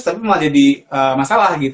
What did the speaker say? tapi malah jadi masalah